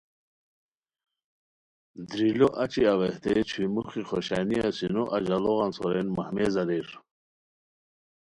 دریلو اچی اوہتے چھوئی موخی خوشانیہ سینو اجاڑوغان سورین مہمیز اریر